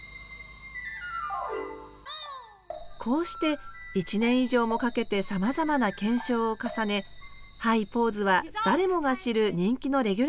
こうして１年以上もかけてさまざまな検証を重ね「ハイ・ポーズ」は誰もが知る人気のレギュラーコーナーとして定着。